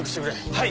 はい！